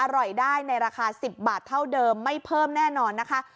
อร่อยได้ในราคา๑๐บาทเท่าเดิมไม่เพิ่มแน่นอนนะคะ